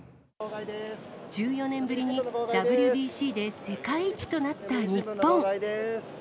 １４年ぶりにＷＢＣで世界一となった日本。